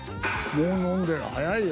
もう飲んでる早いよ。